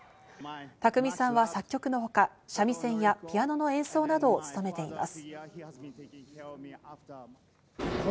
宅見さんは作曲のほか、三味線やピアノの演奏などを務めています。